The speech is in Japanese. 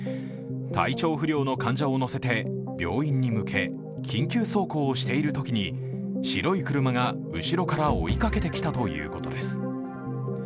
体調不良の患者を乗せて病院に向け、緊急走行をしているときに白い車が後ろから追いかけてきたということです。